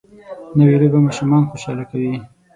نوې لوبه ماشومان خوشحاله کوي